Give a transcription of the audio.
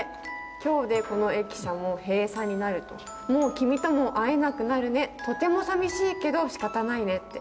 きょうでこの駅舎も閉鎖になると、もう君とも会えなくなるね、とてもさみしいけれども、しかたないねって。